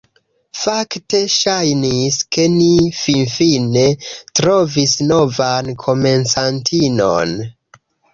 Fakte, ŝajnis, ke ni finfine trovis novan komencantinon.